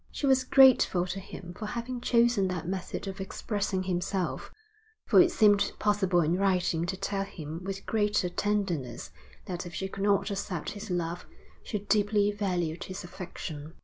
She was grateful to him for having chosen that method of expressing himself, for it seemed possible in writing to tell him with greater tenderness that if she could not accept his love she deeply valued his affection.